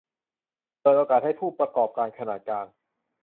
เปิดโอกาสให้ผู้ประกอบการขนาดกลาง